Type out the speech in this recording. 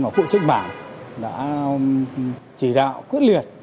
và phụ trách bảng đã chỉ đạo quyết liệt